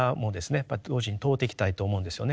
やっぱり同時に問うていきたいと思うんですよね。